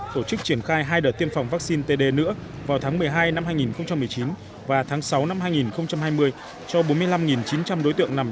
tổ chức triển khai hai đợt tiêm phòng vaccine td nữa vào tháng một mươi hai năm hai nghìn một mươi chín và tháng sáu năm hai nghìn